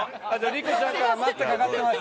璃子ちゃんから待ったかかってます。